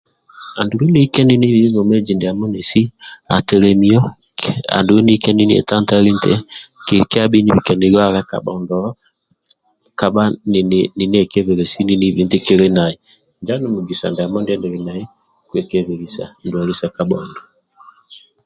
Andulu nilike ninibi vwomezi ndiamo nesi atelemio andulu nilike ninietantali nti kikibika nilwalq kabhondo kabha niniekebelesi ninibi nti kili nai injo andulu mugisa ndie nili nai